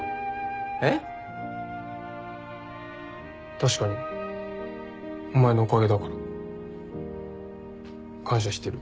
確かにお前のおかげだから。感謝してる。